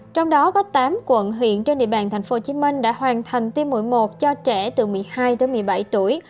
trong đó có tám quận huyện trên địa bàn tp hcm đã hoàn thành tiêm mũi một cho trẻ từ một mươi hai tới một mươi bảy tuổi